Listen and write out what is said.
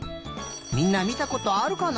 みんなみたことあるかな？